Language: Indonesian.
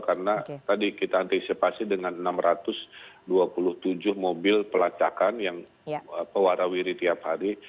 karena tadi kita antisipasi dengan enam ratus dua puluh tujuh mobil pelacakan yang pewarawiri tiap hari